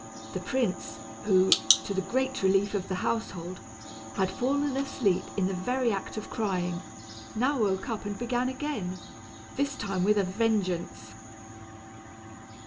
The prince, who, to the great relief of the household, had fallen asleep in the very act of crying, now woke up and began again, this time with a vengeance.